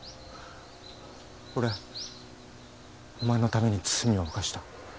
俺お前のために罪を犯した。